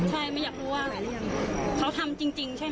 ใช่มันอยากรู้ว่าเขาทำจริงใช่ไหม